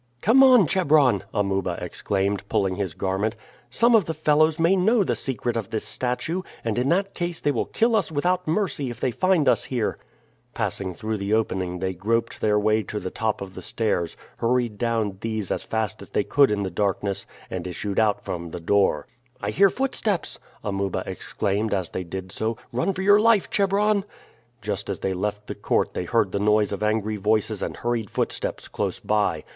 "Come on, Chebron!" Amuba exclaimed, pulling his garment. "Some of the fellows may know the secret of this statue, and in that case they will kill us without mercy if they find us here." Passing through the opening they groped their way to the top of the stairs, hurried down these as fast as they could in the darkness, and issued out from the door. "I hear footsteps!" Amuba exclaimed as they did so. "Run for your life, Chebron!" Just as they left the court they heard the noise of angry voices and hurried footsteps close by.